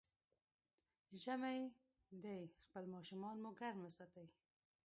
ژمی دی، خپل ماشومان مو ګرم وساتئ.